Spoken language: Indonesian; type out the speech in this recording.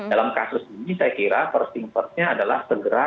dalam kasus ini saya kira first thing first nya adalah segera